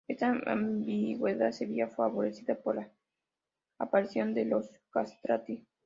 Esta ambigüedad se veía favorecida por la aparición de los castrati.